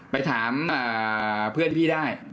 ไปถามเพื่อนพี่ได้